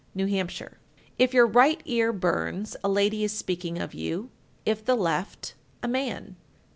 New Hampshire. 1346. If your right ear burns, a lady is speaking of you; if the left, a man.